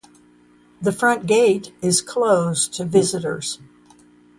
The front gate is closed to visitors.